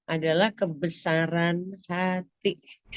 adalah kebesaran hati